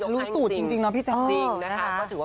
รู้สูตรจริงนะพี่แจ๊ะ